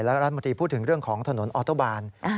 และรัฐมนตรีพูดถึงเรื่องของถนนออโตบาน